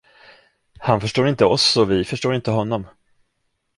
Han förstår inte oss, och vi förstår inte honom.